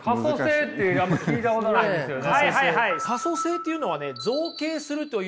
可塑性ってあんま聞いたことないですよね。